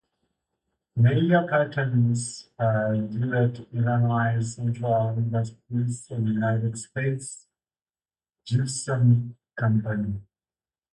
Major partners included Illinois Central Industries and United States Gypsum Company.